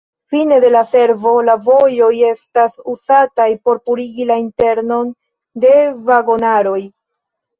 Fine de la servo, la vojoj estas uzataj por purigi la internon de vagonaroj.